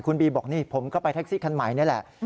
คุณบีบอกนี่ผมก็ไปแท็กซี่คันใหม่นี่แหละ